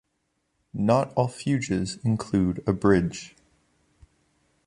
Not all fugues include a bridge.